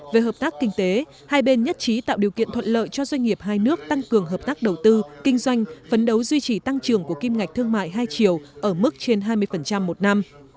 về hợp tác kinh tế hai bên nhất trí tạo điều kiện thuận lợi cho doanh nghiệp hai nước tăng cường hợp tác đầu tư kinh doanh phấn đấu duy trì tăng trưởng của kim ngạch thương mại hai chiều ở mức trên hai mươi một năm